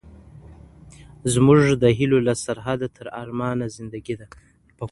زموږ د هیلو له سرحده تر ارمانه زندګي ده